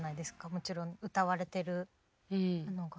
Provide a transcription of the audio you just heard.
もちろん歌われているのが。